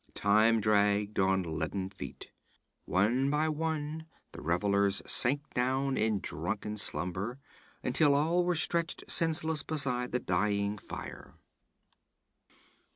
Time dragged on leaden feet. One by one the revellers sank down in drunken slumber, until all were stretched senseless beside the dying fire.